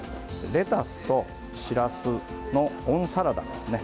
レタスとしらすの温サラダです。